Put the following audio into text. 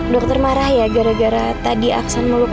dokter marah ya gara gara tadi aksan mulut aku